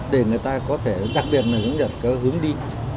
để người ta có thể đặc biệt nhắc nhở cái hướng đi